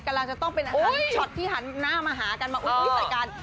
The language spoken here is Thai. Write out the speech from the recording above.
กำลังจะต้องเป็นอาหารช็อตที่หันหน้ามาหากันมาอุ๊ยใส่กัน